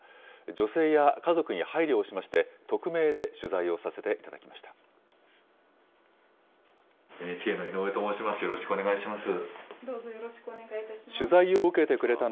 女性や家族に配慮をしまして、匿名で取材をさせていただきました。